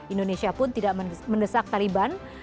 indonesia pun tidak mendesak taliban